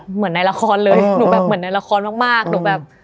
เหมือนในละครเลยหนูแบบเหมือนในละครมากหนูแบบ